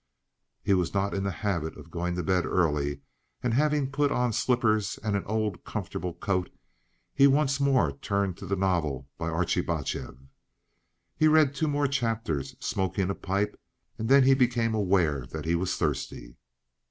He was not in the habit of going to bed early, and having put on slippers and an old and comfortable coat, he once more turned to the novel by Artzybachev. He read two more chapters, smoking a pipe, and then he became aware that he was thirsty.